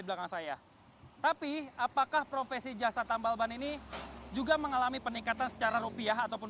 belakang saya tapi apakah profesi jasa tambal ban ini juga mengalami peningkatan secara rupiah ataupun